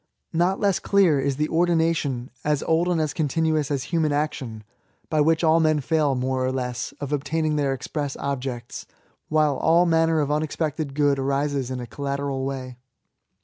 Not less clear is the ordination^ as old and as continuous as human action^ by which men fail> more or less, of obtaining their express objects, while all manner of unexpected good arises in a collateral way.